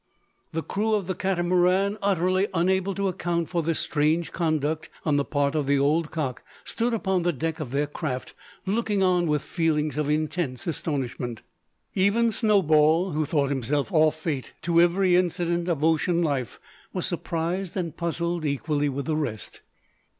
The crew of the Catamaran, utterly unable to account for this strange conduct on the part of the old cock, stood upon the deck of their craft, looking on with feelings of intense astonishment. Even Snowball, who thought himself au fait to every incident of ocean life, was surprised and puzzled equally with the rest.